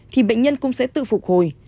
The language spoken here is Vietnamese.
thì bệnh nhân cũng sẽ tự phục hồi